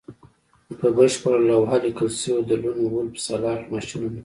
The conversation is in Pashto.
په بشپړه لوحه لیکل شوي وو د لون وولف سلاټ ماشینونه